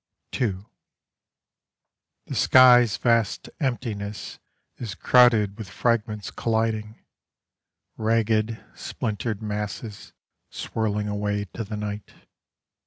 II The sky's vast emptiness Is crowded with fragments colliding, Ragged, splintered masses Swirling away to the night.